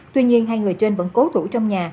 tuy nhiên hai người trên vẫn cố thủ trong nhà